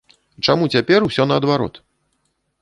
Чаму цяпер усё наадварот?